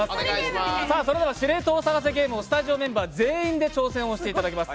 「司令塔を探せゲーム」をスタジオメンバー全員で挑戦していただきます。